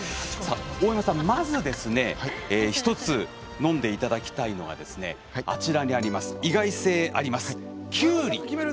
大山さん、まず１つ飲んでいただきたいのが意外性があります、きゅうり。